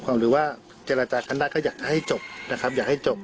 หรือว่าเจรจากันได้ก็อยากให้จบนะครับอยากให้จบ